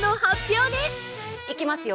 いきますよ。